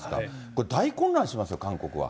これ、大混乱しますよ、韓国は。